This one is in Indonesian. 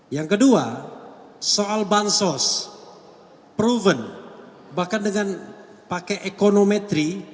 yang kedua soal bansos proven bahkan dengan pakai econometri